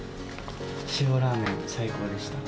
塩ラーメン、最高でした。